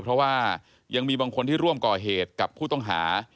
เพราะว่ายังมีบางคนที่ร่วมก่อเหตุกับผู้ต้องหา